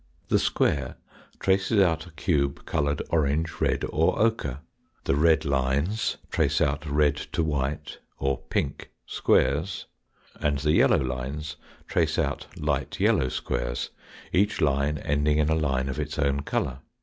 The square traces out a cube coloured orange, red, or ochre, the red lines trace out red to white or pink squares, and the yellow lines trace out light yellow squares, each line ending in a line of its own colour.